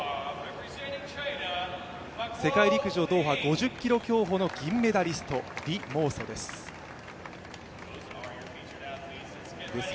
世界陸上５０ｋｍ競歩の銀メダリスト、李毛措です。